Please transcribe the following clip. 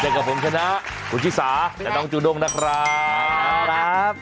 กับผมชนะคุณชิสาและน้องจูด้งนะครับ